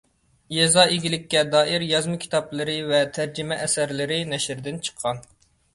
يېزا ئىگىلىككە دائىر يازما كىتابلىرى ۋە تەرجىمە ئەسەرلىرى نەشردىن چىققان.